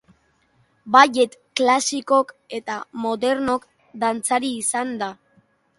Ballet klasikoko eta modernoko dantzari izan da.